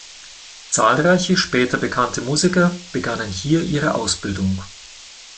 Zahlreiche später bekannte Musiker begannen hier ihre Ausbildung.